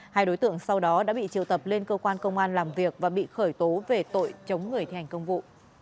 hai đối tượng sau đó đã bị triều tập lên cơ quan công an làm việc và bị khởi tố về tội chống người thi hành công vụ